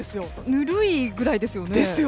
ぬるいぐらいですよね。